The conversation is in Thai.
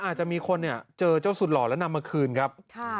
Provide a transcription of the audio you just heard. อาจจะมีคนเจอเจ้าสุดหล่อแล้วนำมาคืนครับ